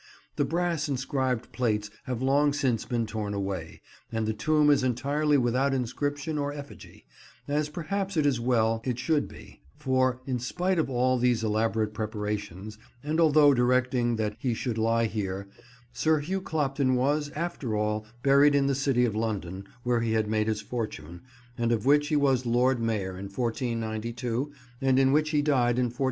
The brass inscribed plates have long since been torn away, and the tomb is entirely without inscription or effigy; as perhaps it is well it should be, for, in spite of all these elaborate preparations, and although directing that he should lie here, Sir Hugh Clopton was, after all, buried in the City of London, where he had made his fortune, and of which he was Lord Mayor in 1492, and in which he died in 1496.